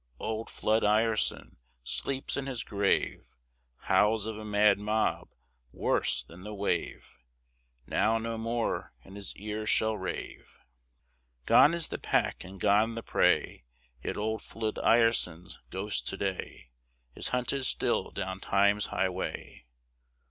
Old Flood Ireson sleeps in his grave; Howls of a mad mob, worse than the wave, Now no more in his ear shall rave! Gone is the pack and gone the prey, Yet old Flood Ireson's ghost to day Is hunted still down Time's highway.